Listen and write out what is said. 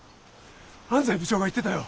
安西部長が言ってたよ。